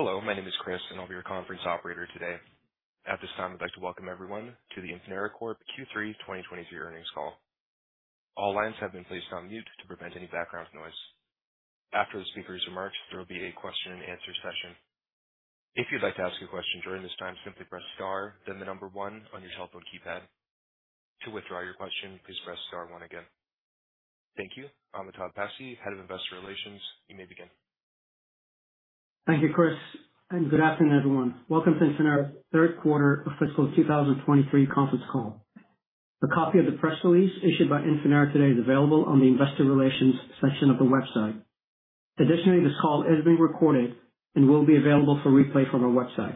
Hello, my name is Chris, and I'll be your conference operator today. At this time, I'd like to welcome everyone to the Infinera Corp Q3 2023 Earnings Call. All lines have been placed on mute to prevent any background noise. After the speaker's remarks, there will be a question and answer session. If you'd like to ask a question during this time, simply press star, then the number one on your telephone keypad. To withdraw your question, please press star one again. Thank you. Amitabh Passi, Head of Investor Relations, you may begin. Thank you, Chris, and good afternoon, everyone. Welcome to Infinera's third quarter fiscal 2023 conference call. A copy of the press release issued by Infinera today is available on the investor relations section of the website. Additionally, this call is being recorded and will be available for replay from our website.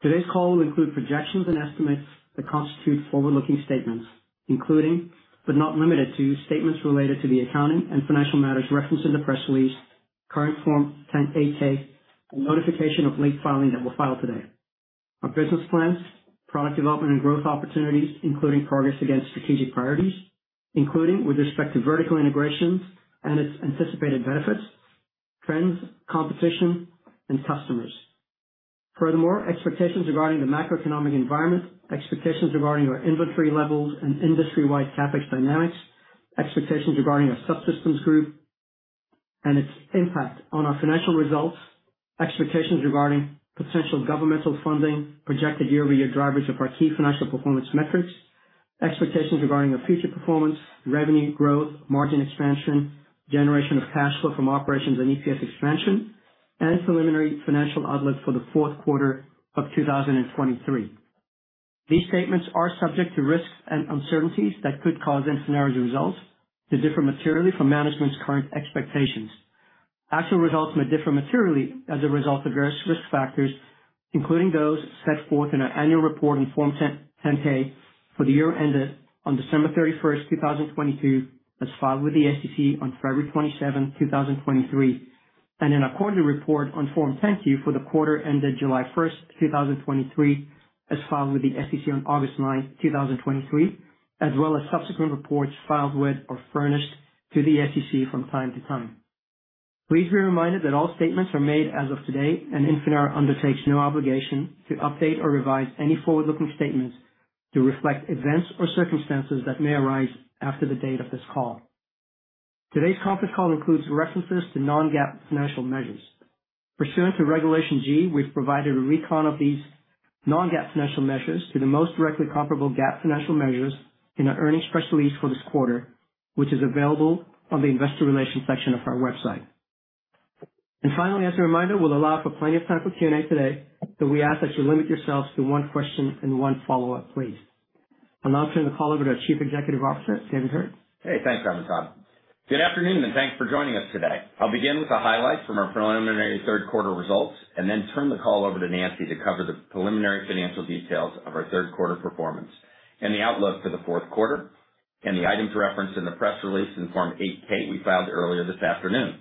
Today's call will include projections and estimates that constitute forward-looking statements, including, but not limited to, statements related to the accounting and financial matters referenced in the press release, current Form 10-Q, a notification of late filing that we'll file today, our business plans, product development and growth opportunities, including progress against strategic priorities, including with respect to vertical integrations and its anticipated benefits, trends, competition, and customers, furthermore, expectations regarding the macroeconomic environment, expectations regarding our inventory levels and industry-wide CapEx dynamics, expectations regarding our subsystems group and its impact on our financial results. Expectations regarding potential governmental funding, projected year-over-year drivers of our key financial performance metrics. Expectations regarding our future performance, revenue growth, margin expansion, generation of cash flow from operations and EPS expansion, and preliminary financial outlook for the fourth quarter of 2023. These statements are subject to risks and uncertainties that could cause Infinera's results to differ materially from management's current expectations. Actual results may differ materially as a result of various risk factors, including those set forth in our annual report on Form 10-K for the year ended on December 31, 2022, as filed with the SEC on February 27, 2023, and in our quarterly report on Form 10-Q for the quarter ended July 1, 2023, as filed with the SEC on August 9, 2023, as well as subsequent reports filed with or furnished to the SEC from time to time. Please be reminded that all statements are made as of today, and Infinera undertakes no obligation to update or revise any forward-looking statements to reflect events or circumstances that may arise after the date of this call. Today's conference call includes references to non-GAAP financial measures. Pursuant to Regulation G, we've provided a recon of these non-GAAP financial measures to the most directly comparable GAAP financial measures in our earnings press release for this quarter, which is available on the investor relations section of our website. And finally, as a reminder, we'll allow for plenty of time for Q&A today, so we ask that you limit yourselves to one question and one follow-up, please. I'll now turn the call over to our Chief Executive Officer, David Heard. Hey, thanks, Amitabh. Good afternoon, and thanks for joining us today. I'll begin with a highlight from our preliminary third quarter results, and then turn the call over to Nancy to cover the preliminary financial details of our third quarter performance and the outlook for the fourth quarter, and the items referenced in the press release in Form 8-K we filed earlier this afternoon.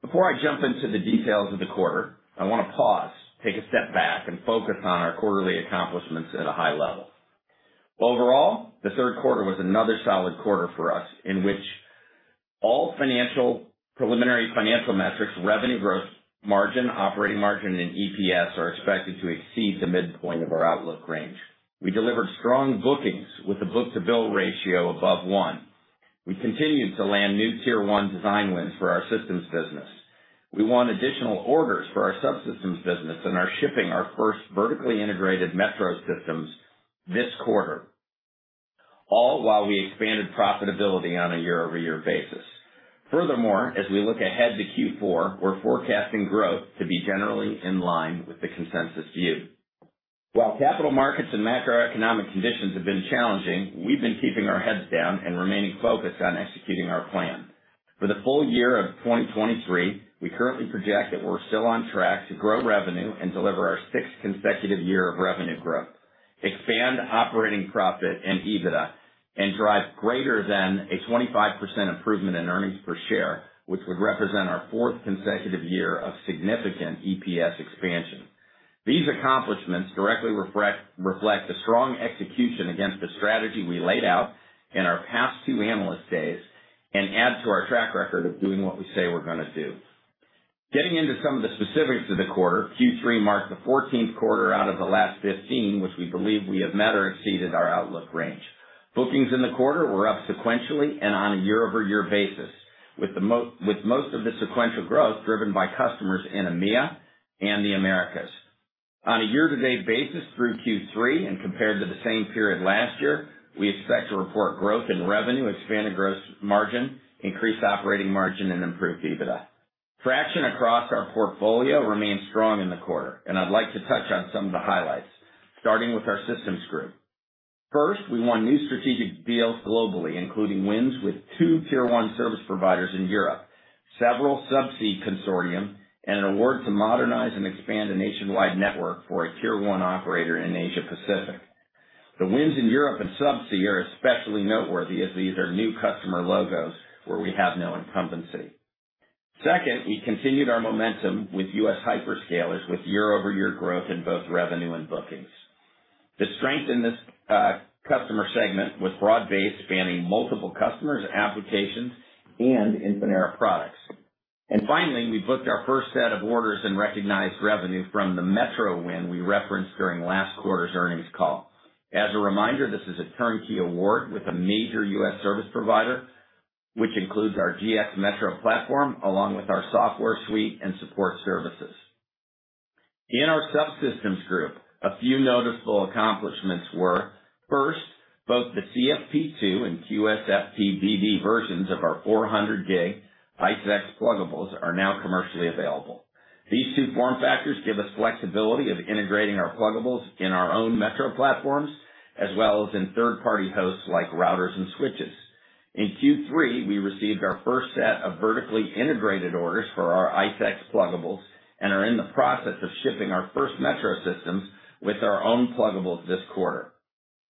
Before I jump into the details of the quarter, I want to pause, take a step back, and focus on our quarterly accomplishments at a high level. Overall, the third quarter was another solid quarter for us, in which all financial, preliminary financial metrics, revenue growth, margin, operating margin, and EPS, are expected to exceed the midpoint of our outlook range. We delivered strong bookings with a book-to-bill ratio above one. We continued to land new tier one design wins for our systems business. We won additional orders for our subsystems business and are shipping our first vertically integrated metro systems this quarter, all while we expanded profitability on a year-over-year basis. Furthermore, as we look ahead to Q4, we're forecasting growth to be generally in line with the consensus view. While capital markets and macroeconomic conditions have been challenging, we've been keeping our heads down and remaining focused on executing our plan. For the full year of 2023, we currently project that we're still on track to grow revenue and deliver our sixth consecutive year of revenue growth, expand operating profit and EBITDA, and drive greater than a 25% improvement in earnings per share, which would represent our fourth consecutive year of significant EPS expansion. These accomplishments directly reflect the strong execution against the strategy we laid out in our past two analyst days and add to our track record of doing what we say we're gonna do. Getting into some of the specifics of the quarter, Q3 marked the fourteenth quarter out of the last 15, which we believe we have met or exceeded our outlook range. Bookings in the quarter were up sequentially and on a year-over-year basis, with most of the sequential growth driven by customers in EMEA and the Americas. On a year-to-date basis through Q3 and compared to the same period last year, we expect to report growth in revenue, expanded gross margin, increased operating margin, and improved EBITDA. Traction across our portfolio remains strong in the quarter, and I'd like to touch on some of the highlights, starting with our systems group. First, we won new strategic deals globally, including wins with two tier one service providers in Europe, several subsea consortium, and an award to modernize and expand a nationwide network for a tier one operator in Asia Pacific. The wins in Europe and subsea are especially noteworthy as these are new customer logos where we have no incumbency. Second, we continued our momentum with U.S. hyperscalers, with year-over-year growth in both revenue and bookings. The strength in this, customer segment was broad-based, spanning multiple customers, applications, and Infinera products. And finally, we booked our first set of orders and recognized revenue from the metro win we referenced during last quarter's earnings call. As a reminder, this is a turnkey award with a major U.S. service provider, which includes our GX metro platform, along with our software suite and support services. In our subsystems group, a few noticeable accomplishments were, first, both the CFP2 and QSFP-DD versions of our 400G ICE-X pluggables are now commercially available. These two form factors give us flexibility of integrating our pluggables in our own metro platforms, as well as in third-party hosts like routers and switches. In Q3, we received our first set of vertically integrated orders for our ICE-X pluggables and are in the process of shipping our first metro systems with our own pluggables this quarter.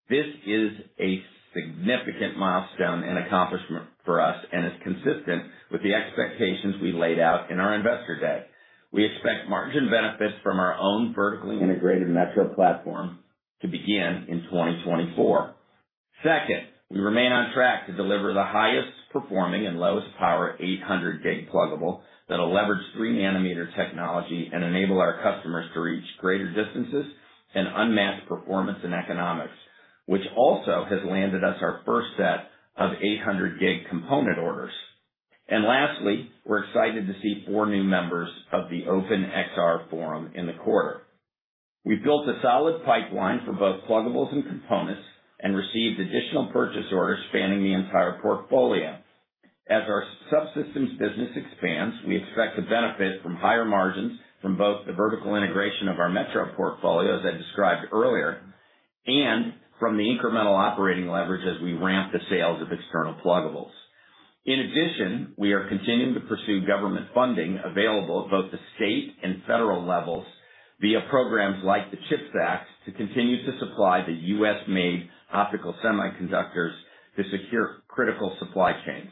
This is a significant milestone and accomplishment for us and is consistent with the expectations we laid out in our Investor Day. We expect margin benefits from our own vertically integrated metro platform to begin in 2024. Second, we remain on track to deliver the highest performing and lowest power 800 gig pluggable that will leverage 3 nanometer technology and enable our customers to reach greater distances and unmatched performance and economics, which also has landed us our first set of 800 gig component orders. And lastly, we're excited to see four new members of the Open XR Forum in the quarter. We've built a solid pipeline for both pluggables and components and received additional purchase orders spanning the entire portfolio. As our subsystems business expands, we expect to benefit from higher margins from both the vertical integration of our metro portfolio, as I described earlier, and from the incremental operating leverage as we ramp the sales of external pluggables. In addition, we are continuing to pursue government funding available at both the state and federal levels via programs like the CHIPS Act, to continue to supply the U.S.-made optical semiconductors to secure critical supply chains.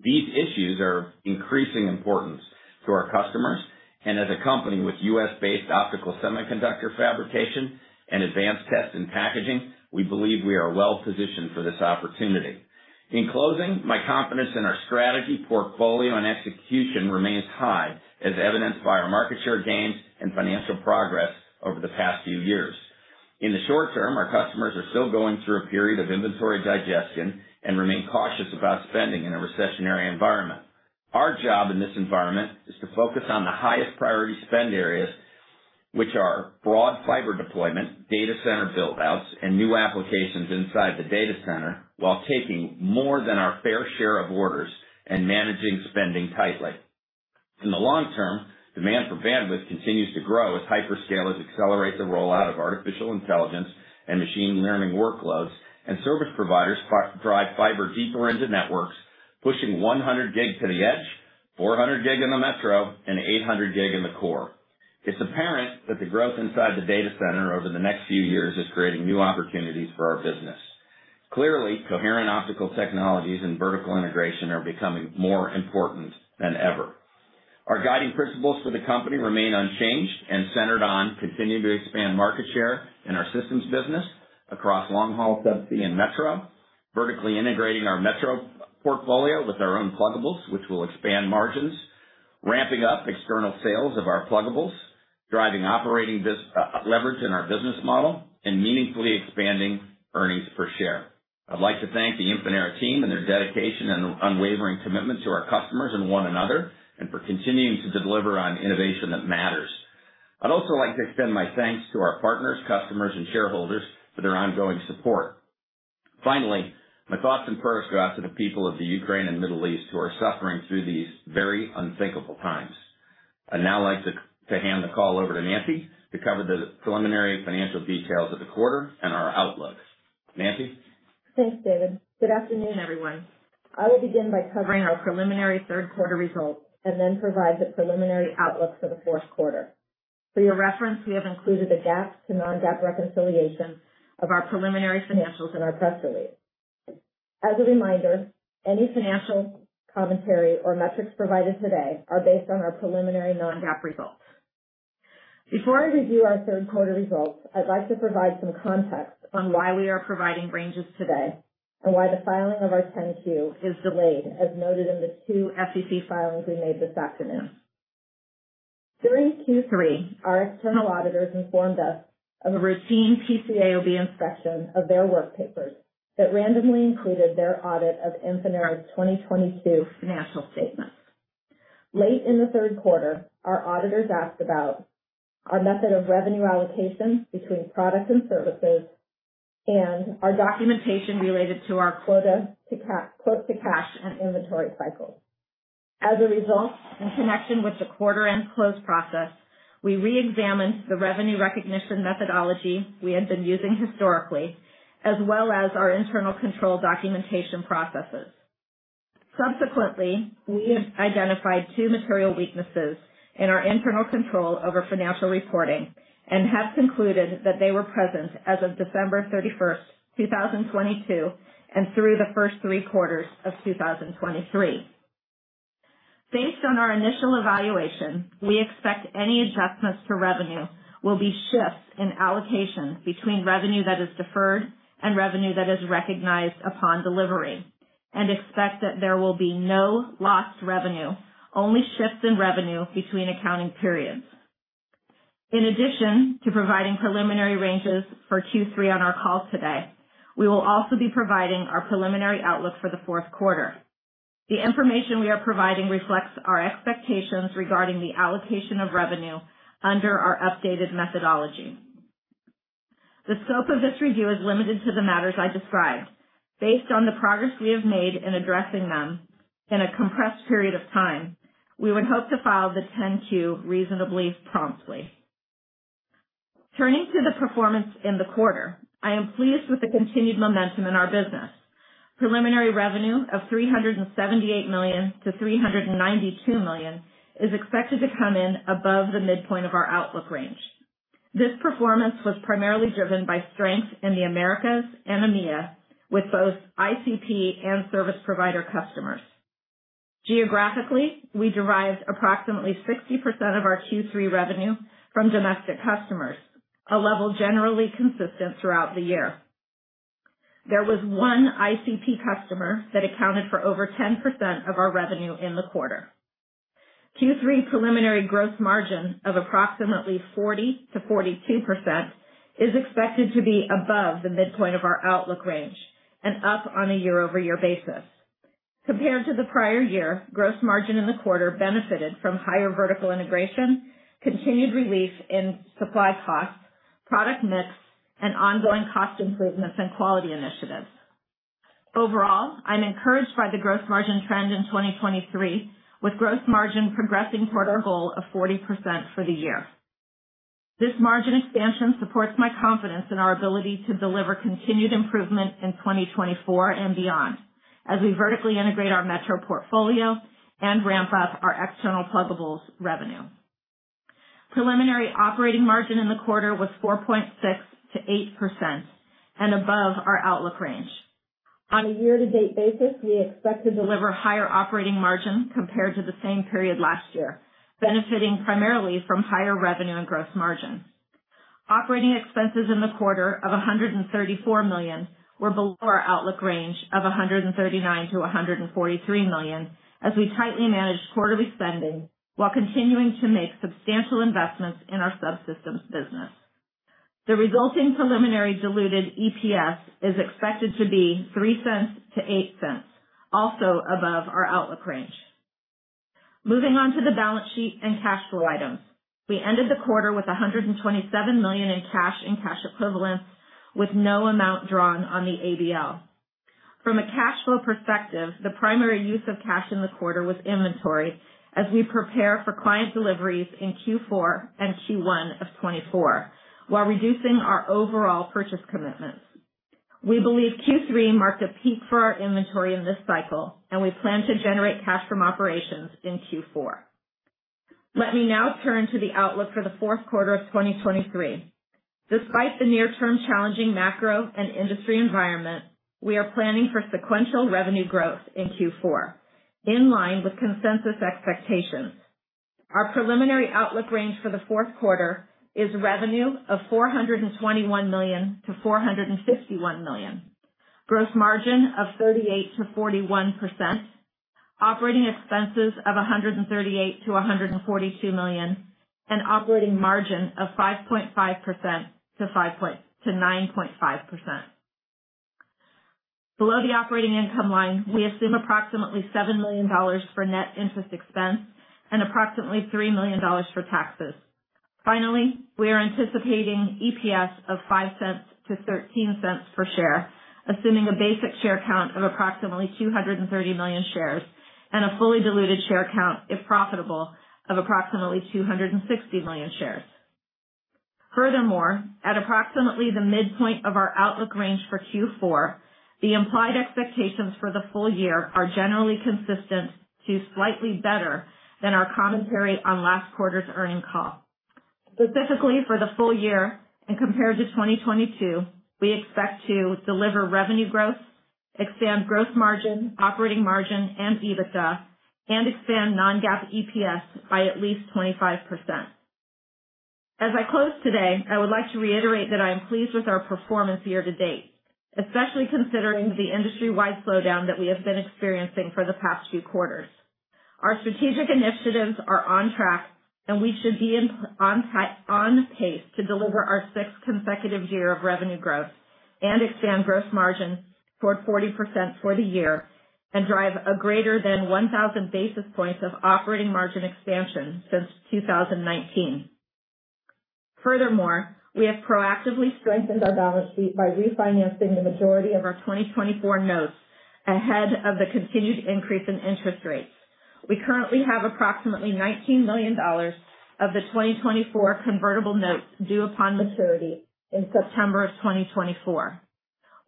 These issues are of increasing importance to our customers, and as a company with U.S.-based optical semiconductor fabrication and advanced test and packaging, we believe we are well positioned for this opportunity. In closing, my confidence in our strategy, portfolio, and execution remains high, as evidenced by our market share gains and financial progress over the past few years. In the short term, our customers are still going through a period of inventory digestion and remain cautious about spending in a recessionary environment. Our job in this environment is to focus on the highest priority spend areas, which are broad fiber deployment, data center build-outs, and new applications inside the data center, while taking more than our fair share of orders and managing spending tightly. In the long term, demand for bandwidth continues to grow as hyperscalers accelerate the rollout of artificial intelligence and machine learning workloads, and service providers drive fiber deeper into networks, pushing 100 gig to the edge, 400 gig in the metro, and 800 gig in the core. It's apparent that the growth inside the data center over the next few years is creating new opportunities for our business. Clearly, coherent optical technologies and vertical integration are becoming more important than ever. Our guiding principles for the company remain unchanged and centered on continuing to expand market share in our systems business across long-haul, subsea, and metro. Vertically integrating our metro portfolio with our own pluggables, which will expand margins. Ramping up external sales of our pluggables, driving operating business leverage in our business model, and meaningfully expanding earnings per share. I'd like to thank the Infinera team and their dedication and unwavering commitment to our customers and one another, and for continuing to deliver on innovation that matters. I'd also like to extend my thanks to our partners, customers, and shareholders for their ongoing support. Finally, my thoughts and prayers go out to the people of Ukraine and Middle East who are suffering through these very unthinkable times. I'd now like to hand the call over to Nancy to cover the preliminary financial details of the quarter and our outlooks. Nancy? Thanks, David. Good afternoon, everyone. I will begin by covering our preliminary third quarter results and then provide the preliminary outlook for the fourth quarter. For your reference, we have included a GAAP to non-GAAP reconciliation of our preliminary financials in our press release. As a reminder, any financial commentary or metrics provided today are based on our preliminary non-GAAP results. Before I review our third quarter results, I'd like to provide some context on why we are providing ranges today, and why the filing of our 10-Q is delayed, as noted in the two SEC filings we made this afternoon. During Q3, our external auditors informed us of a routine PCAOB inspection of their work papers that randomly included their audit of Infinera's 2022 financial statements. Late in the third quarter, our auditors asked about our method of revenue allocation between products and services and our documentation related to our quote-to-cash and inventory cycles. As a result, in connection with the quarter-end close process, we reexamined the revenue recognition methodology we had been using historically, as well as our internal control documentation processes. Subsequently, we have identified two material weaknesses in our internal control over financial reporting and have concluded that they were present as of December 31, 2022, and through the first three quarters of 2023. Based on our initial evaluation, we expect any adjustments to revenue will be shifts in allocation between revenue that is deferred and revenue that is recognized upon delivery, and expect that there will be no lost revenue, only shifts in revenue between accounting periods. In addition to providing preliminary ranges for Q3 on our call today, we will also be providing our preliminary outlook for the fourth quarter. The information we are providing reflects our expectations regarding the allocation of revenue under our updated methodology. The scope of this review is limited to the matters I described. Based on the progress we have made in addressing them in a compressed period of time, we would hope to file the 10-Q reasonably promptly. Turning to the performance in the quarter, I am pleased with the continued momentum in our business. Preliminary revenue of $378 million-$392 million is expected to come in above the midpoint of our outlook range. This performance was primarily driven by strength in the Americas and EMEA, with both ICP and service provider customers. Geographically, we derived approximately 60% of our Q3 revenue from domestic customers, a level generally consistent throughout the year. There was one ICP customer that accounted for over 10% of our revenue in the quarter. Q3 preliminary gross margin of approximately 40% to 42% is expected to be above the midpoint of our outlook range and up on a year-over-year basis. Compared to the prior year, gross margin in the quarter benefited from higher vertical integration, continued relief in supply costs, product mix, and ongoing cost improvements and quality initiatives. Overall, I'm encouraged by the gross margin trend in 2023, with gross margin progressing toward our goal of 40% for the year. This margin expansion supports my confidence in our ability to deliver continued improvement in 2024 and beyond, as we vertically integrate our metro portfolio and ramp up our external pluggables revenue. Preliminary operating margin in the quarter was 4.6% to 8% and above our outlook range. On a year-to-date basis, we expect to deliver higher operating margin compared to the same period last year, benefiting primarily from higher revenue and gross margin. Operating expenses in the quarter of $134 million were below our outlook range of $139 million to $143 million, as we tightly managed quarterly spending while continuing to make substantial investments in our subsystems business. The resulting preliminary diluted EPS is expected to be $0.03-$0.08, also above our outlook range. Moving on to the balance sheet and cash flow items. We ended the quarter with $127 million in cash and cash equivalents, with no amount drawn on the ABL. From a cash flow perspective, the primary use of cash in the quarter was inventory, as we prepare for client deliveries in Q4 and Q1 of 2024, while reducing our overall purchase commitments. We believe Q3 marked a peak for our inventory in this cycle, and we plan to generate cash from operations in Q4. Let me now turn to the outlook for the fourth quarter of 2023. Despite the near-term challenging macro and industry environment, we are planning for sequential revenue growth in Q4, in line with consensus expectations. Our preliminary outlook range for the fourth quarter is revenue of $421 million to $451 million, gross margin of 38% to 41%, operating expenses of $138 million to $142 million, and operating margin of 5.5% to 9.5%. Below the operating income line, we assume approximately $7 million for net interest expense and approximately $3 million for taxes. Finally, we are anticipating EPS of $0.05 to $0.13 per share, assuming a basic share count of approximately 230 million shares and a fully diluted share count, if profitable, of approximately 260 million shares. Furthermore, at approximately the midpoint of our outlook range for Q4, the implied expectations for the full year are generally consistent to slightly better than our commentary on last quarter's earnings call. Specifically for the full year and compared to 2022, we expect to deliver revenue growth, expand gross margin, operating margin, and EBITDA, and expand non-GAAP EPS by at least 25%. As I close today, I would like to reiterate that I am pleased with our performance year-to-date, especially considering the industry-wide slowdown that we have been experiencing for the past few quarters. Our strategic initiatives are on track, and we should be on pace to deliver our sixth consecutive year of revenue growth and expand gross margin toward 40% for the year and drive a greater than 1,000 basis points of operating margin expansion since 2019. Furthermore, we have proactively strengthened our balance sheet by refinancing the majority of our 2024 notes ahead of the continued increase in interest rates. We currently have approximately $19 million of the 2024 convertible notes due upon maturity in September 2024.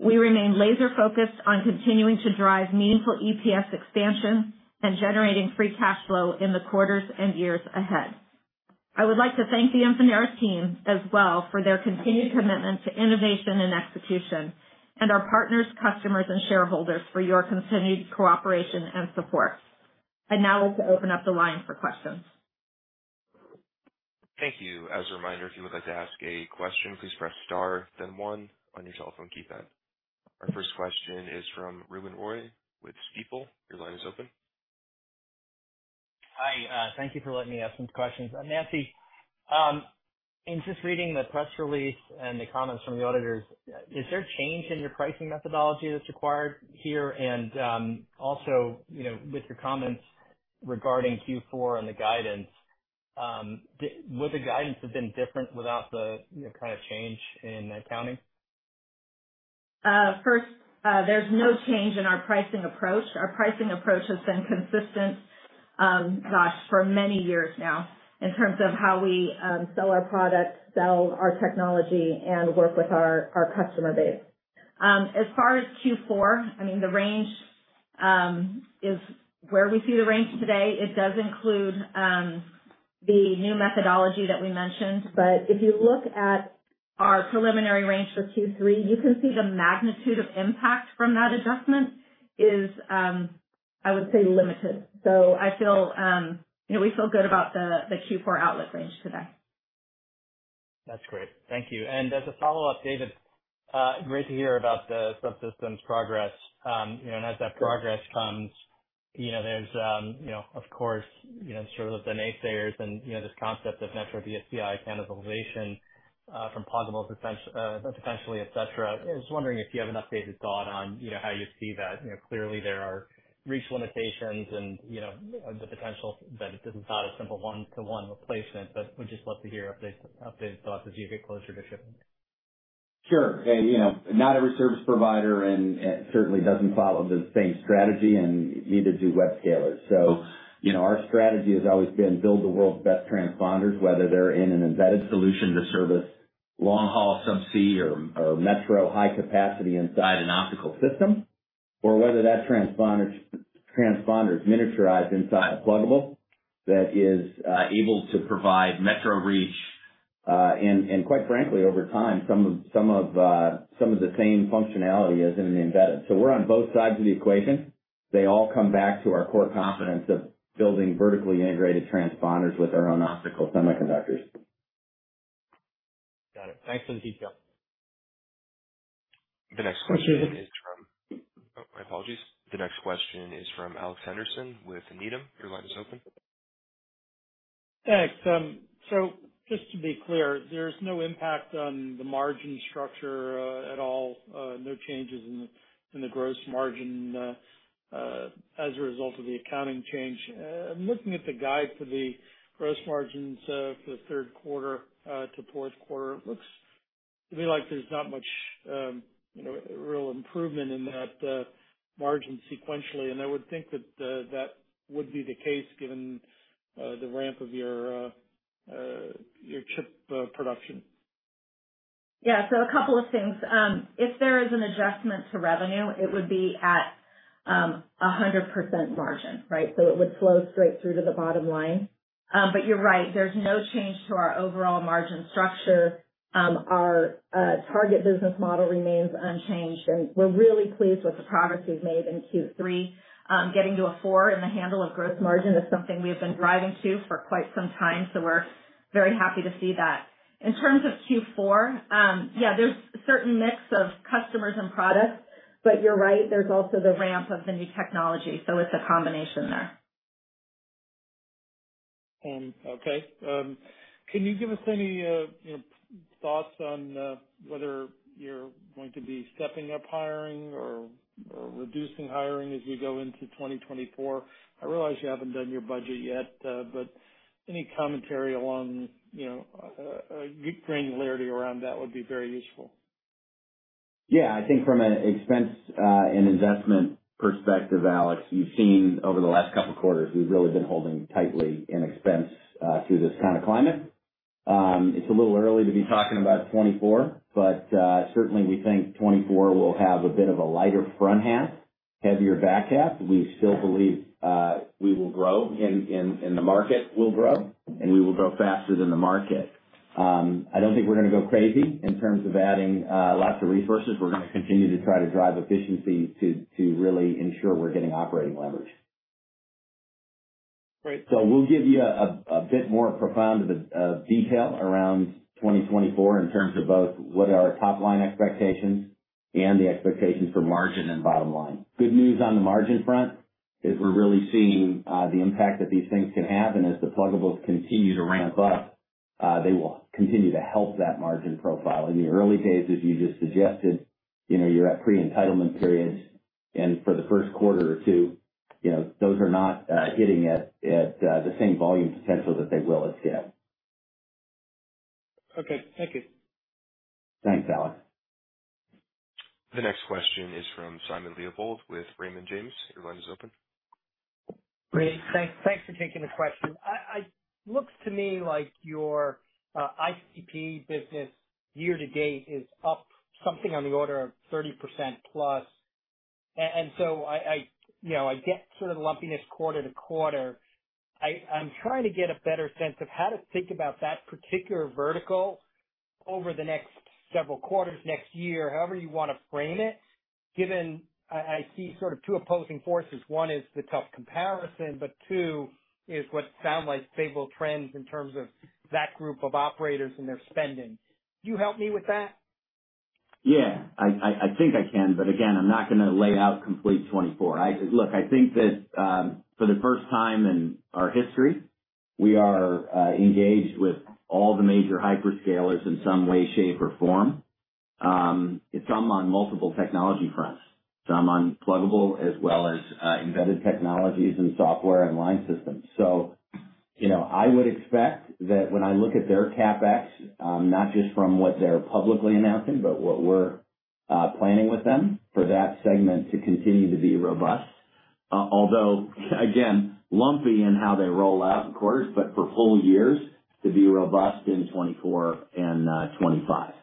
We remain laser-focused on continuing to drive meaningful EPS expansion and generating free cash flow in the quarters and years ahead. I would like to thank the Infinera team as well for their continued commitment to innovation and execution, and our partners, customers, and shareholders for your continued cooperation and support. Now to open up the line for questions. Thank you. As a reminder, if you would like to ask a question, please press star, then one on your cell phone keypad. Our first question is from Ruben Roy with Stifel. Your line is open. Hi, thank you for letting me ask some questions. Nancy, in just reading the press release and the comments from the auditors, is there a change in your pricing methodology that's required here? Also, you know, with your comments regarding Q4 and the guidance, would the guidance have been different without the, you know, kind of, change in accounting? First, there's no change in our pricing approach. Our pricing approach has been consistent, gosh, for many years now, in terms of how we sell our products, sell our technology, and work with our customer base. As far as Q4, I mean, the range is where we see the range today, it does include the new methodology that we mentioned. But if you look at our preliminary range for Q3, you can see the magnitude of impact from that adjustment is, I would say limited. So I feel, you know, we feel good about the Q4 outlet range today. That's great. Thank you. And as a follow-up, David, great to hear about the subsystems progress. You know, and as that progress comes, you know, there's, you know, of course, you know, sort of the naysayers and, you know, this concept of metro DCI cannibalization from pluggables, potentially, et cetera. I was just wondering if you have an updated thought on, you know, how you see that. You know, clearly there are reach limitations and, you know, the potential that this is not a simple one-to-one replacement, but we'd just love to hear updated, updated thoughts as you get closer to shipping. Sure. And, you know, not every service provider and, certainly doesn't follow the same strategy and neither do web scalers. So, you know, our strategy has always been build the world's best transponders, whether they're in an embedded solution to service long-haul subsea or metro high capacity inside an optical system, or whether that transponders, transponder is miniaturized inside a pluggable that is, able to provide metro reach, and quite frankly, over time, some of the same functionality as in an embedded. So we're on both sides of the equation. They all come back to our core competence of building vertically integrated transponders with our own optical semiconductors. Got it. Thanks for the detail. The next question... Thank you. Oh, my apologies. The next question is from Alex Henderson with Needham. Your line is open. Thanks. So just to be clear, there's no impact on the margin structure, at all, no changes in the gross margin, as a result of the accounting change. I'm looking at the guide for the gross margins, for the third quarter to fourth quarter. It looks to me like there's not much, you know, real improvement in that margin sequentially, and I would think that that would be the case given the ramp of your chip production. Yeah. So a couple of things. If there is an adjustment to revenue, it would be at a 100% margin, right? So it would flow straight through to the bottom line. But you're right, there's no change to our overall margin structure. Our target business model remains unchanged, and we're really pleased with the progress we've made in Q3. Getting to a four in the handle of gross margin is something we've been driving to for quite some time, so we're very happy to see that. In terms of Q4, yeah, there's a certain mix of customers and products, but you're right, there's also the ramp of the new technology, so it's a combination there. Okay. Can you give us any, you know, thoughts on whether you're going to be stepping up hiring or reducing hiring as we go into 2024? I realize you haven't done your budget yet, but any commentary along, you know, granularity around that would be very useful. Yeah. I think from an expense and investment perspective, Alex, you've seen over the last couple of quarters, we've really been holding tightly in expense through this kind of climate. It's a little early to be talking about 2024, but certainly we think 2024 will have a bit of a lighter front half, heavier back half. We still believe we will grow and the market will grow, and we will grow faster than the market. I don't think we're going to go crazy in terms of adding lots of resources. We're going to continue to try to drive efficiency to really ensure we're getting operating leverage. Great. So we'll give you a bit more profound of a detail around 2024 in terms of both what are our top-line expectations and the expectations for margin and bottom line. Good news on the margin front is we're really seeing the impact that these things can have, and as the pluggables continue to ramp up, they will continue to help that margin profile. In the early days, as you just suggested, you know, you're at pre-entitlement periods, and for the first quarter or two, you know, those are not hitting at the same volume potential that they will as yet. Okay. Thank you. Thanks, Alex. The next question is from Simon Leopold with Raymond James. Your line is open. Great. Thanks. Thanks for taking the question. Looks to me like your ICP business year to date is up something on the order of 30%+. So I, you know, I get sort of the lumpiness quarter to quarter. I'm trying to get a better sense of how to think about that particular vertical over the next several quarters, next year, however you want to frame it, given I see sort of two opposing forces. One is the tough comparison, but two is what sound like favorable trends in terms of that group of operators and their spending. Can you help me with that? Yeah, I think I can, but again, I'm not gonna lay out complete 2024. Look, I think that for the first time in our history, we are engaged with all the major hyperscalers in some way, shape, or form. Some on multiple technology fronts, some on pluggable as well as embedded technologies and software and line systems. So, you know, I would expect that when I look at their CapEx, not just from what they're publicly announcing, but what we're planning with them, for that segment to continue to be robust. Although, again, lumpy in how they roll out, of course, but for full years to be robust in 2024 and 2025.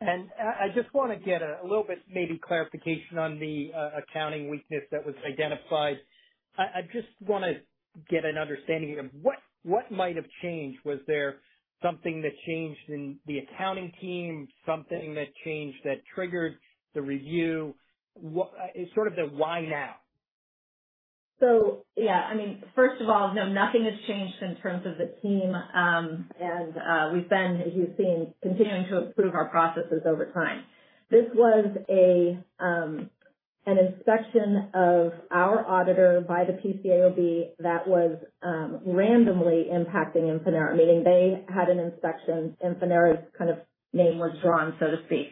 I just wanna get a little bit, maybe clarification on the material weakness that was identified. I just wanna get an understanding of what might have changed? Was there something that changed in the accounting team, something that changed that triggered the review? Sort of the why now? So, yeah, I mean, first of all, no, nothing has changed in terms of the team. We've been, you've seen, continuing to improve our processes over time. This was an inspection of our auditor by the PCAOB that was randomly impacting Infinera. Meaning they had an inspection, Infinera's kind of name was drawn, so to speak.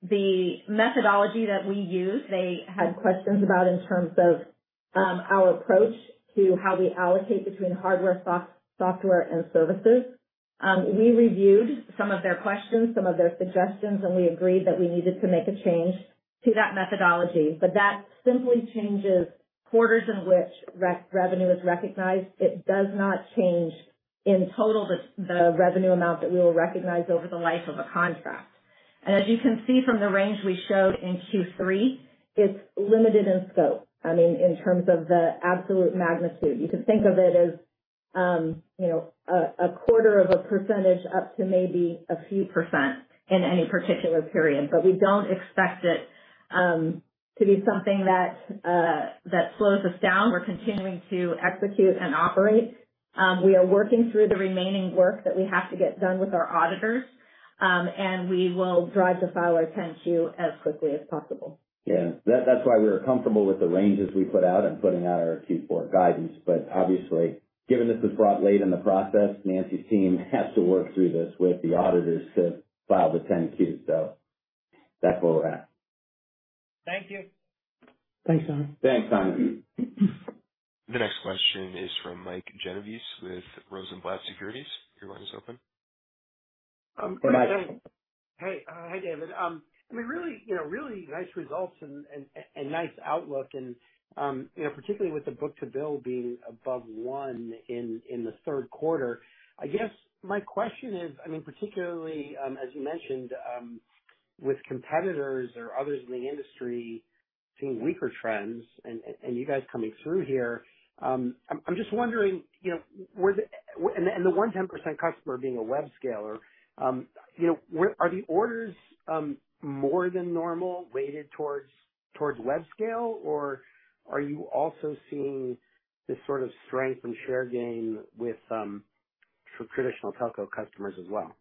The methodology that we used, they had questions about in terms of our approach to how we allocate between hardware, software and services. We reviewed some of their questions, some of their suggestions, and we agreed that we needed to make a change to that methodology. But that simply changes quarters in which revenue is recognized. It does not change in total the revenue amount that we will recognize over the life of a contract. As you can see from the range we showed in Q3, it's limited in scope, I mean, in terms of the absolute magnitude. You can think of it as, you know, a quarter of a percentage up to maybe a few% in any particular period. But we don't expect it to be something that slows us down. We're continuing to execute and operate. We are working through the remaining work that we have to get done with our auditors. And we will drive to file our 10-Q as quickly as possible. Yeah, that, that's why we were comfortable with the ranges we put out and putting out our Q4 guidance. But obviously, given this was brought late in the process, Nancy's team has to work through this with the auditors to file the 10-Q. So that's where we're at. Thank you. Thanks, Simon. Thanks, Simon. The next question is from Mike Genovese with Rosenblatt Securities. Your line is open. Hi, Mike. Hey, hi, David. I mean, really, you know, really nice results and nice outlook and, you know, particularly with the book-to-bill being above 1 in the third quarter. I guess my question is, I mean, particularly, as you mentioned, with competitors or others in the industry seeing weaker trends and you guys coming through here, I'm just wondering, you know, and the 10% customer being a web-scale, you know, where— Are the orders more than normal weighted towards web-scale? Or are you also seeing this sort of strength and share gain with traditional telco customers as well?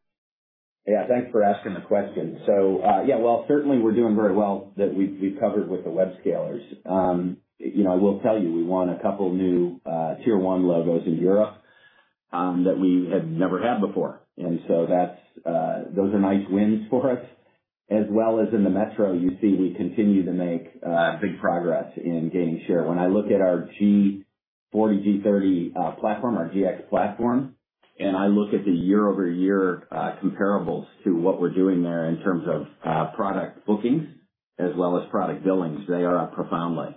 Yeah, thanks for asking the question. So, yeah, well, certainly we're doing very well that we've covered with the hyperscalers. You know, I will tell you, we won a couple new tier one logos in Europe that we had never had before, and so that's those are nice wins for us. As well as in the metro, you see, we continue to make big progress in gaining share. When I look at our G40, G30 platform, our GX platform, and I look at the year-over-year comparables to what we're doing there in terms of product bookings as well as product billings, they are up profoundly.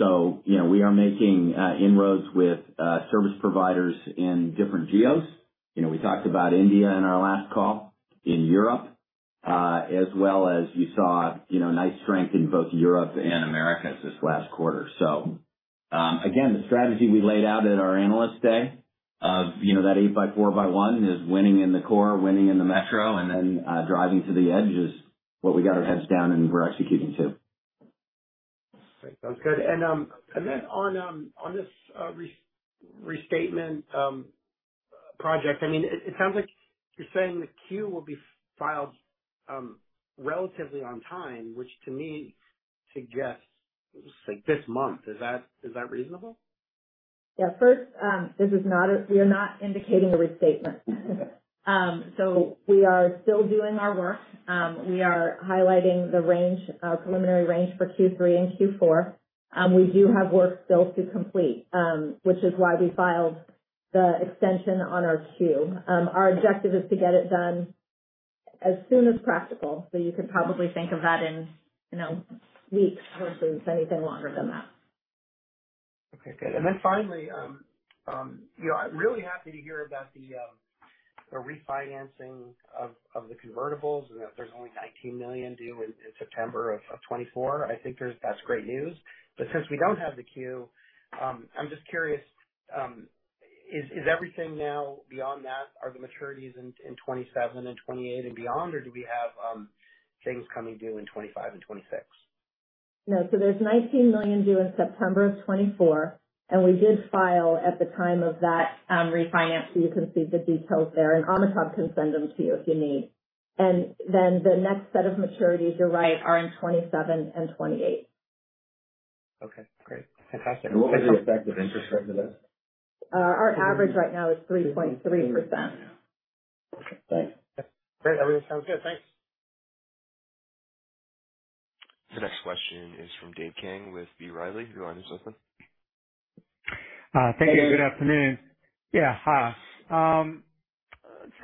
So you know, we are making inroads with service providers in different geos. You know, we talked about India in our last call, in Europe, as well as you saw, you know, nice strength in both Europe and Americas this last quarter. So, again, the strategy we laid out at our Analyst Day of, you know, that eight by four by one is winning in the core, winning in the metro, and then, driving to the edge, is what we got our heads down and we're executing to. Great, that's good. And then on this restatement project, I mean, it sounds like you're saying the Q will be filed relatively on time, which to me suggests, like, this month. Is that reasonable? Yeah. First, this is not a restatement. We are not indicating a restatement. So we are still doing our work. We are highlighting the preliminary range for Q3 and Q4. We do have work still to complete, which is why we filed the extension on our Q. Our objective is to get it done as soon as practical, so you can probably think of that in, you know, weeks, hopefully. It's anything longer than that. Okay, good. And then finally, you know, I'm really happy to hear about the refinancing of the convertibles, and that there's only $19 million due in September of 2024. I think that's great news. But since we don't have the 10-Q, I'm just curious, is everything now beyond that? Are the maturities in 2027 and 2028 and beyond, or do we have things coming due in 2025 and 2026? No. So there's $19 million due in September of 2024, and we did file at the time of that refinance, so you can see the details there. And Amitabh can send them to you if you need. And then the next set of maturities, you're right, are in 2027 and 2028. Okay, great. Fantastic. What was the effect of interest rate on that? Our average right now is 3.3%. Okay, thanks. Great, everything sounds good. Thanks. The next question is from Dave Kang with B. Riley. Your line is open. Thank you. Good afternoon. Yeah. Hi.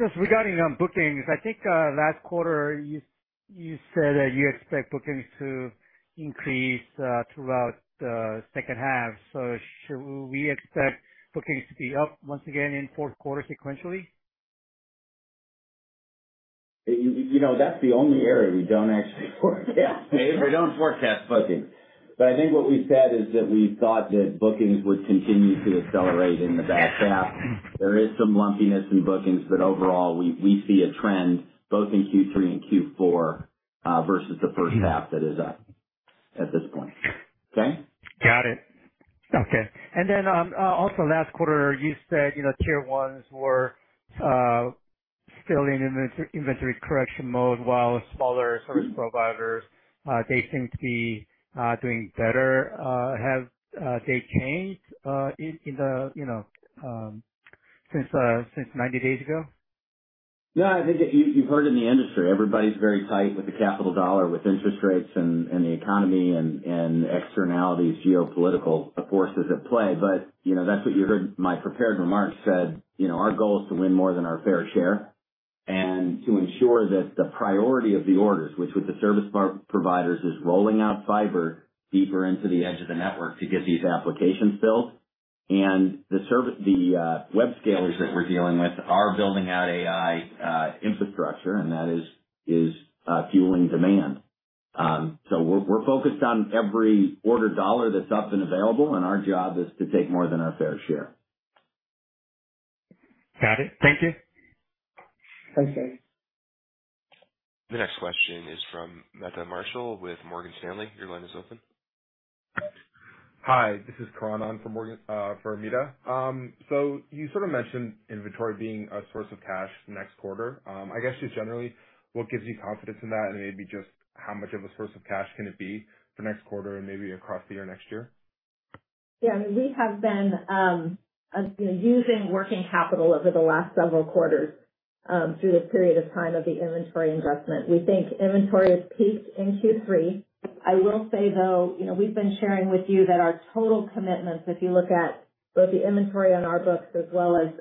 Just regarding on bookings, I think, last quarter, you, you said that you expect bookings to increase throughout the second half. So we expect bookings to be up once again in fourth quarter sequentially? You know, that's the only area we don't actually forecast. We don't forecast bookings. But I think what we said is that we thought that bookings would continue to accelerate in the back half. There is some lumpiness in bookings, but overall, we, we see a trend both in Q3 and Q4 versus the first half that is up at this point. Okay? Got it. Okay. And then, also last quarter, you said, you know, tier ones were still in inventory correction mode, while smaller service providers, they seem to be doing better. Have they changed, you know, since 90 days ago? No, I think you, you've heard in the industry, everybody's very tight with the capital dollar, with interest rates and the economy and externalities, geopolitical forces at play. But, you know, that's what you heard my prepared remarks said, you know, our goal is to win more than our fair share and to ensure that the priority of the orders, which with the service providers, is rolling out fiber deeper into the edge of the network to get these applications built. And the service, the web scalers that we're dealing with are building out AI infrastructure, and that is fueling demand. So we're focused on every order dollar that's out and available, and our job is to take more than our fair share. Got it. Thank you. Thanks, Dave. The next question is from Meta Marshall with Morgan Stanley. Your line is open. Hi, this is Karan from Morgan, for Meta. You sort of mentioned inventory being a source of cash next quarter. I guess just generally, what gives you confidence in that, and maybe just how much of a source of cash can it be for next quarter and maybe across the year next year? Yeah, I mean, we have been, you know, using working capital over the last several quarters, through this period of time of the inventory investment. We think inventory is peaked in Q3. I will say, though, you know, we've been sharing with you that our total commitments, if you look at both the inventory on our books as well as,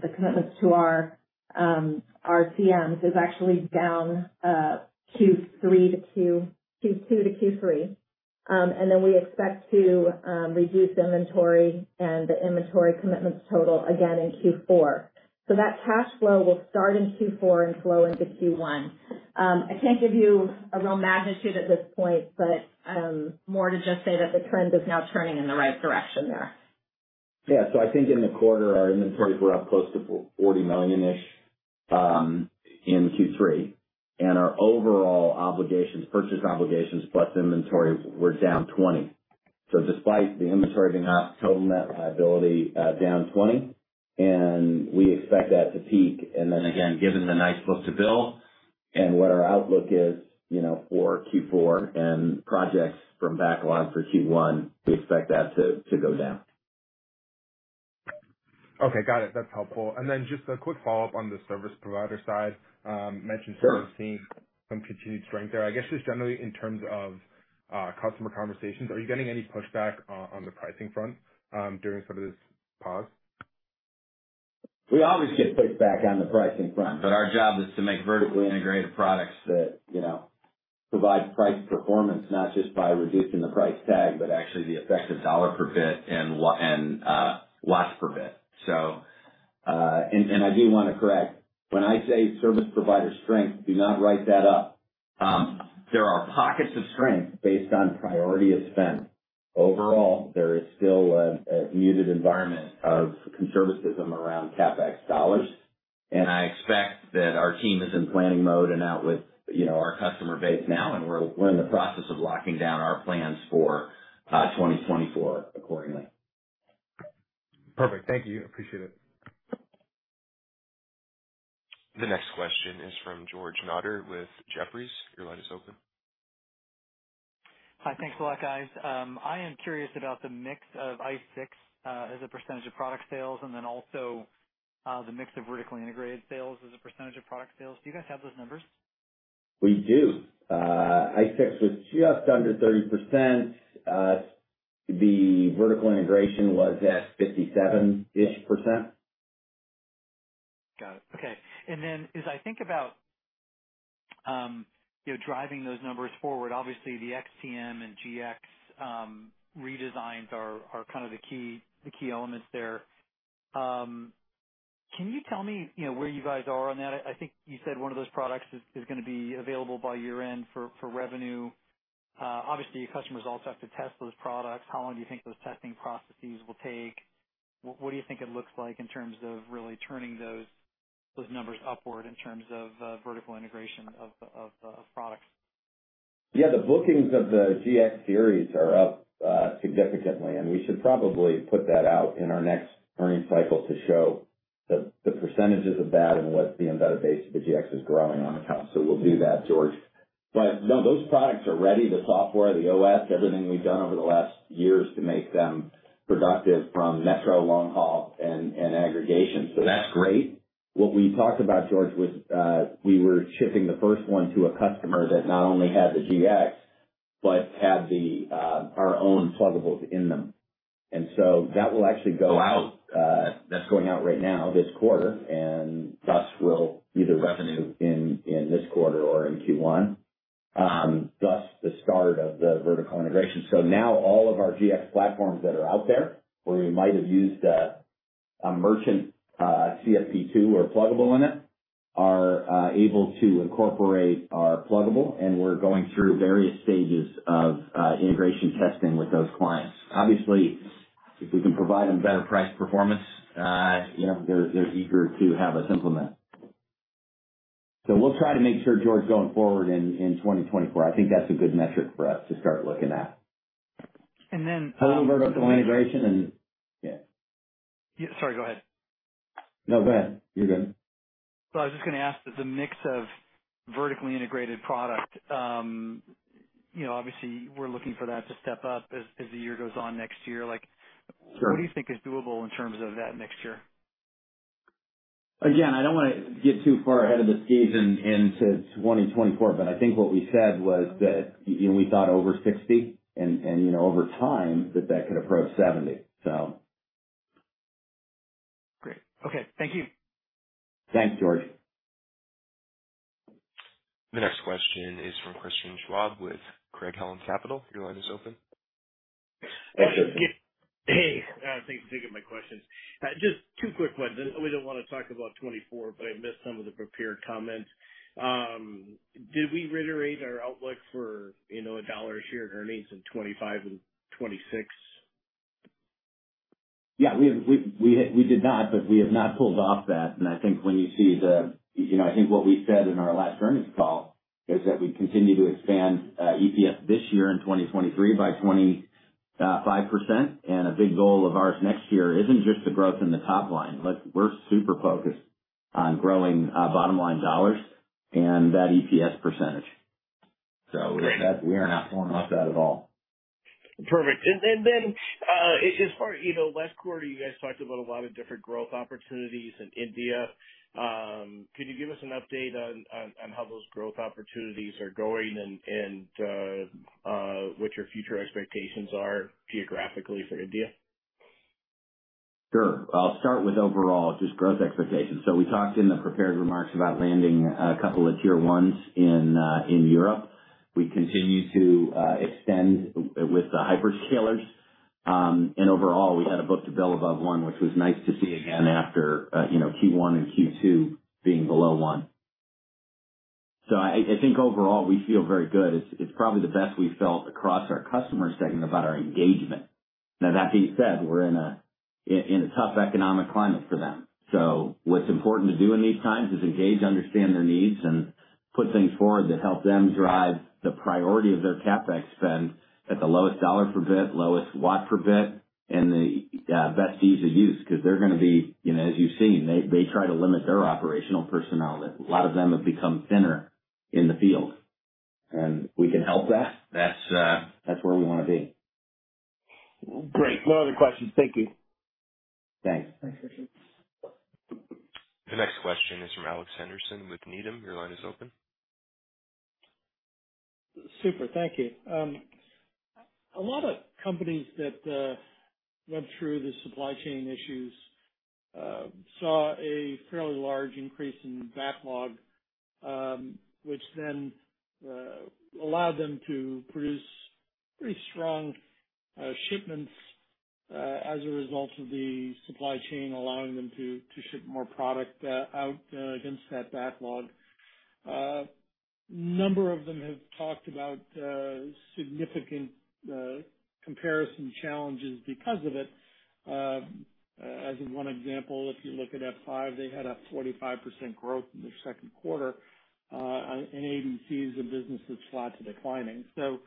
the commitments to our our CMs, is actually down, Q2 to Q3. And then we expect to, reduce inventory and the inventory commitments total again in Q4. So that cash flow will start in Q4 and flow into Q1. I can't give you a real magnitude at this point, but, more to just say that the trend is now turning in the right direction there. Yeah. So I think in the quarter, our inventories were up close to $40 million-ish in Q3, and our overall obligations, purchase obligations plus inventory, were down $20. So despite the inventory being up, total net liability down $20, and we expect that to peak. And then again, given the nice book-to-bill and what our outlook is, you know, for Q4 and projects from backlog for Q1, we expect that to go down. Okay, got it. That's helpful. And then just a quick follow-up on the service provider side. mentioned- Sure. Seeing some continued strength there. I guess, just generally in terms of customer conversations, are you getting any pushback on the pricing front during sort of this pause? We always get pushback on the pricing front, but our job is to make vertically integrated products that, you know, provide price performance, not just by reducing the price tag, but actually the effective dollar per bit and watts per bit. So, and I do want to correct, when I say service provider strength, do not write that up. There are pockets of strength based on priority of spend. Overall, there is still a muted environment of conservatism around CapEx dollars, and I expect that our team is in planning mode and out with, you know, our customer base now, and we're in the process of locking down our plans for 2024 accordingly. Perfect. Thank you. Appreciate it. The next question is from George Notter with Jefferies. Your line is open. Hi. Thanks a lot, guys. I am curious about the mix of ICE6 as a percentage of product sales, and then also, the mix of vertically integrated sales as a percentage of product sales. Do you guys have those numbers? We do. ICE6 was just under 30%. The vertical integration was at 57-ish%. Okay. And then as I think about, you know, driving those numbers forward, obviously, the XTM and GX redesigns are kind of the key elements there. Can you tell me, you know, where you guys are on that? I think you said one of those products is going to be available by year-end for revenue. Obviously, your customers also have to test those products. How long do you think those testing processes will take? What do you think it looks like in terms of really turning those numbers upward in terms of vertical integration of the products? Yeah, the bookings of the GX Series are up significantly, and we should probably put that out in our next earnings cycle to show the percentages of that and what the embedded base of the GX is growing on account. So we'll do that, George. But no, those products are ready, the software, the OS, everything we've done over the last years to make them productive from metro, long haul, and aggregation. So that's great. What we talked about, George, was we were shipping the first one to a customer that not only had the GX, but had our own pluggables in them. And so that will actually go out, that's going out right now, this quarter, and thus will be the revenue in this quarter or in Q1. Thus the start of the vertical integration. So now all of our GX platforms that are out there, where we might have used a merchant CFP2 or pluggable in it, are able to incorporate our pluggable, and we're going through various stages of integration testing with those clients. Obviously, if we can provide them better price performance, you know, they're eager to have us implement. So we'll try to make sure, George, going forward in 2024, I think that's a good metric for us to start looking at. And then... A little vertical integration, and yeah. Yeah. Sorry, go ahead. No, go ahead. You're good. So I was just going to ask the mix of vertically integrated product, you know, obviously we're looking for that to step up as the year goes on next year. Like- Sure. What do you think is doable in terms of that mixture? Again, I don't want to get too far ahead of the season into 2024, but I think what we said was that, you know, we thought over 60 and, you know, over time that that could approach 70, so. Great. Okay, thank you. Thanks, George. The next question is from Christian Schwab with Craig-Hallum Capital. Your line is open. Hey, thanks for taking my questions. Just two quick ones, and we don't want to talk about 2024, but I missed some of the prepared comments. Did we reiterate our outlook for, you know, $1 a share in earnings in 2025 and 2026? Yeah, we have, we did not, but we have not pulled off that. And I think when you see the, you know, I think what we said in our last earnings call is that we continue to expand EPS this year in 2023 by 25%. And a big goal of ours next year isn't just the growth in the top line, but we're super focused on growing bottom line dollars and that EPS percentage. So that, we are not pulling off that at all. Perfect. And then, as far, you know, last quarter, you guys talked about a lot of different growth opportunities in India. Could you give us an update on how those growth opportunities are going and what your future expectations are geographically for India? Sure. I'll start with overall, just growth expectations. So we talked in the prepared remarks about landing a couple of tier ones in Europe. We continue to extend with the hyperscalers. And overall, we had a book-to-bill above 1, which was nice to see again after, you know, Q1 and Q2 being below 1. So I think overall we feel very good. It's probably the best we've felt across our customer segment about our engagement. Now, that being said, we're in a tough economic climate for them. So what's important to do in these times is engage, understand their needs, and put things forward that help them drive the priority of their CapEx spend at the lowest dollar per bit, lowest watt per bit, and the best ease of use, because they're going to be, you know, as you've seen, they, they try to limit their operational personnel. A lot of them have become thinner in the field, and we can help that. That's where we want to be. Great, no other questions. Thank you. Thanks. The next question is from Alex Henderson with Needham. Your line is open. Super. Thank you. A lot of companies that went through the supply chain issues saw a fairly large increase in backlog, which then allowed them to produce pretty strong shipments as a result of the supply chain, allowing them to ship more product out against that backlog. Number of them have talked about significant comparison challenges because of it. As in one example, if you look at F5, they had a 45% growth in their second quarter, and ABC is a business that's flat to declining, so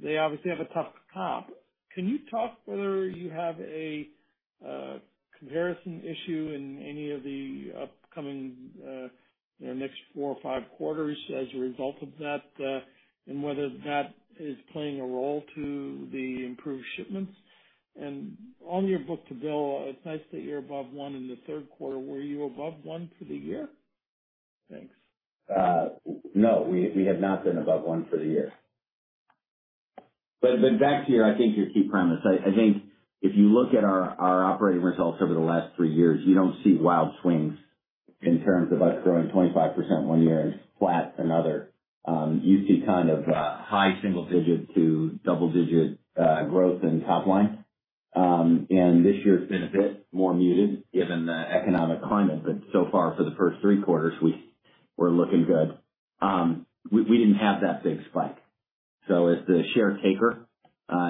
they obviously have a tough comp. Can you talk whether you have a comparison issue in any of the upcoming next four or five quarters as a result of that, and whether that is playing a role to the improved shipments? On your book-to-bill, it's nice that you're above one in the third quarter. Were you above one for the year? Thanks. No, we have not been above one for the year. But back to your key premise. I think if you look at our operating results over the last three years, you don't see wild swings in terms of us growing 25% one year and flat another. You see kind of high single digit to double digit growth in top line. And this year's been a bit more muted given the economic climate, but so far for the first three quarters, we're looking good. We didn't have that big spike. So as the share taker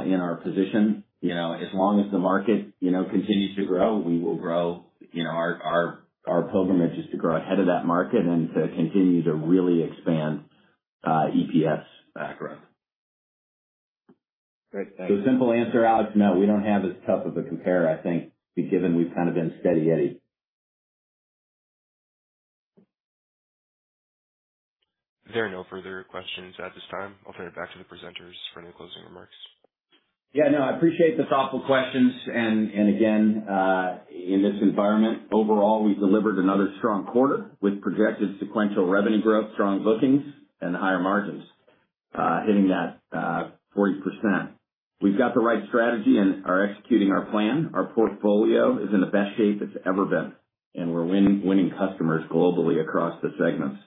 in our position, you know, as long as the market, you know, continues to grow, we will grow. You know, our pilgrimage is to grow ahead of that market and to continue to really expand EPS background. Great. Thank you. Simple answer, Alex: no, we don't have as tough of a compare, I think, given we've kind of been steady Eddie. There are no further questions at this time. I'll turn it back to the presenters for any closing remarks. Yeah, no, I appreciate the thoughtful questions. And again, in this environment, overall, we've delivered another strong quarter with projected sequential revenue growth, strong bookings, and higher margins, hitting that 40%. We've got the right strategy and are executing our plan. Our portfolio is in the best shape it's ever been, and we're winning, winning customers globally across the segments.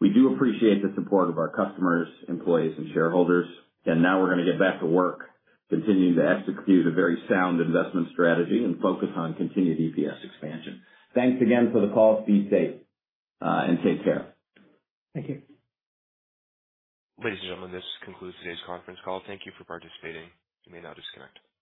We do appreciate the support of our customers, employees, and shareholders, and now we're going to get back to work, continuing to execute a very sound investment strategy and focus on continued EPS expansion. Thanks again for the call. Be safe, and take care. Thank you. Ladies and gentlemen, this concludes today's conference call. Thank you for participating. You may now disconnect.